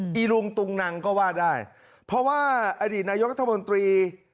อีลุงตุงนังก็ว่าได้เพราะว่าอดีตนายกรัฐมนตรี